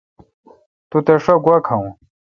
تو تس شا گوا کھاوون۔